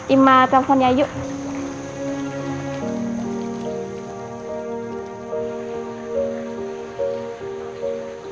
ima telfonnya yuk